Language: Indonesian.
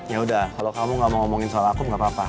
ya udah kalau kamu gak mau ngomongin soal aku gak apa apa